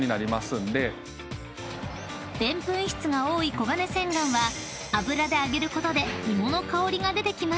［でんぷん質が多い黄金千貫は油で揚げることで芋の香りが出てきます］